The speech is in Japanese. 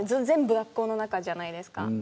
全部学校の中じゃないですか。